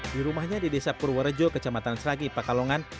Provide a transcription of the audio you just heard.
di rumahnya di desa purworejo kecamatan seragi pekalongan